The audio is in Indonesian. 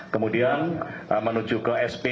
kemudian menuju ke sp